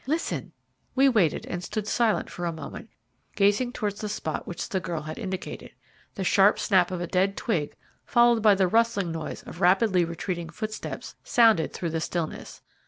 Listen." We waited and stood silent for a moment, gazing towards the spot which the girl had indicated. The sharp snap of a dead twig followed by the rustling noise of rapidly retreating footsteps sounded through the stillness.